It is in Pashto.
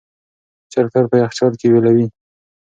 چرګ تل په یخچال کې ویلوئ.